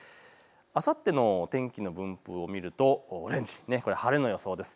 あさっての天気の分布を見てみるとオレンジ、晴れの予想です。